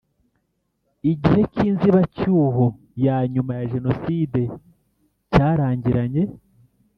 Igihe k inzibacyuho ya nyuma ya jenoside cyarangiranye